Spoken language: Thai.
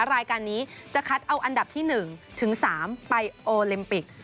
รายการนี้จะคัดเอาอันดับที่๑ถึง๓ไปโอลิมปิก